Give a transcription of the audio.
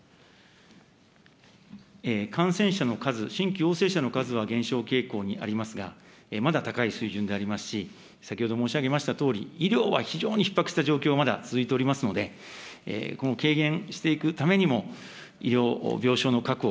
感染者の数、新規陽性者の数は減少傾向にありますが、まだ高い水準でありますし、先ほど申し上げましたとおり、医療は非常にひっ迫した状況、まだ続いておりますので、この軽減していくためにも、医療、病床の確保